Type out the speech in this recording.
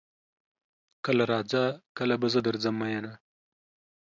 کله راځه کله به زه درځم میینه